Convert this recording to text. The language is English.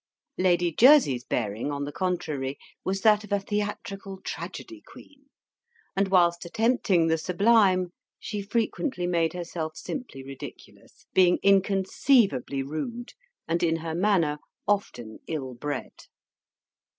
Lady Jersey's bearing, on the contrary, was that of a theatrical tragedy queen; and whilst attempting the sublime, she frequently made herself simply ridiculous, being inconceivably rude, and in her manner often ill bred.